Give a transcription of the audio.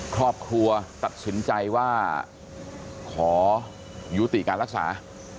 ครอบครัวตัดสินใจว่าขอยุติการรักษา